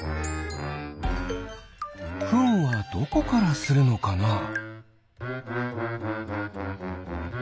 フンはどこからするのかな？